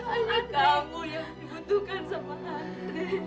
anak kamu yang dibutuhkan sama nanti